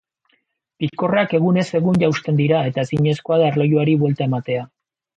Pikorrak egunez egun jausten dira eta ezinezkoa da erlojuari buelta ematea.